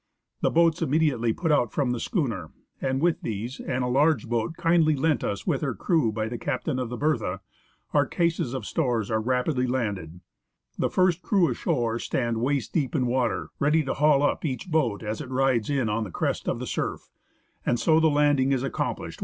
The boats imme diately put out from the schooner, and with these and a large boat, kindly lent us with her crew by the captain of the Bej tha, our cases of stores are rapidly landed. The first crew ashore stand waist deep in water, ready to haul up each boat as it rides in on the crest of the surf, and so the landing is accomplished TALL GRASSES ON THE BEACH.